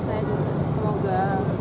saya juga semoga